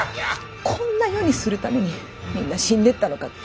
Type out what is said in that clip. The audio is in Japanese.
こんな世にするためにみんな死んでったのかって。